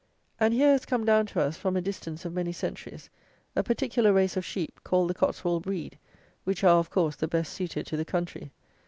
And here has come down to us, from a distance of many centuries, a particular race of sheep, called the Cotswold breed, which are, of course, the best suited to the country.